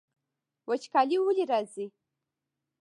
وچکالي ولې راځي؟